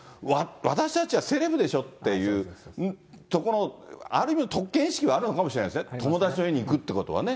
私たちはセレブでしょっていうとこの、ある意味の特権意識はあるのかもしれないですね、友達の家に行くっていうことはね。